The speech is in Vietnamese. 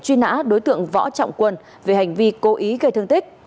truy nã đối tượng võ trọng quân về hành vi cố ý gây thương tích